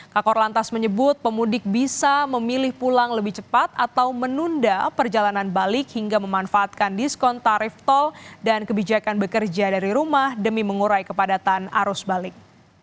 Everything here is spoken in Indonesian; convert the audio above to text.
kakor lantas menyebut pemudik bisa memilih pulang lebih cepat atau menunda perjalanan balik hingga memanfaatkan diskon tarif tol dan kebijakan bekerja dari rumah demi mengurai kepadatan arus balik